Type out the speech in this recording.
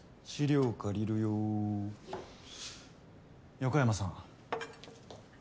横山さん。